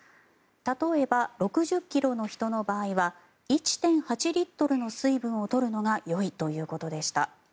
例えば、６７ｋｇの人の場合は１．８リットルの水分を取るのがよいということでした。